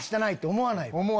思わない。